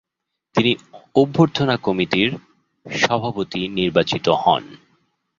তিনি অভ্যর্থনা কমিটির সভাপতি নির্বাচিত হন।